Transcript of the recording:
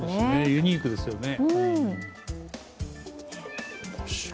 ユニークですよね。